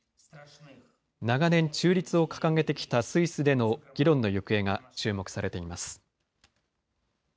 長年、中立を掲げてきたスイスでの議論の行方が注目されています。